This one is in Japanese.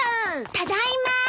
ただいま！